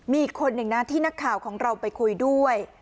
มีอีกคนหนึ่งนะที่นักข่าวของเราไปคุยด้วย